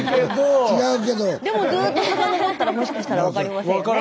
でもずっと遡ったらもしかしたら分かりませんよね。